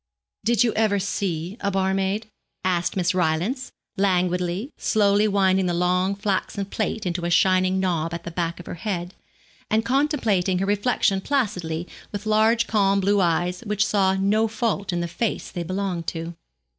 'Did you ever see a barmaid?' asked Miss Rylance, languidly, slowly winding the long flaxen plait into a shining knob at the back of her head, and contemplating her reflection placidly with large calm blue eyes which saw no fault in the face they belonged to.